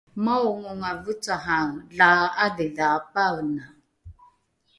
maongonga vecahae la ’adhidhaapaena